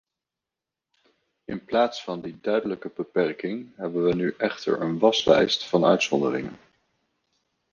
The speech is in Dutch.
In plaats van die duidelijke beperking hebben wij nu echter een waslijst van uitzonderingen.